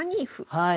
はい。